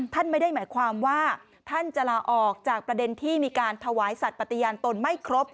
ไม่ได้หมายความว่าท่านจะลาออกจากประเด็นที่มีการถวายสัตว์ปฏิญาณตนไม่ครบ